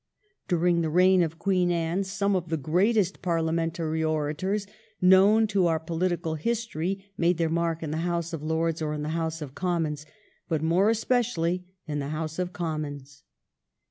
During the reign of Queen Anne some of the greatest Parliamentary orators known to our political history made their mark in the House of Lords or in the House of Commons, but more especially in the House of Commons.